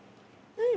◆うん！